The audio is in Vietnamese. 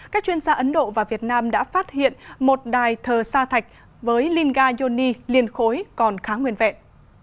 các chuyên gia ấn độ và việt nam đã phát hiện một đài thờ sa thạch với lingayoni liên khối còn khá nguyên vẹn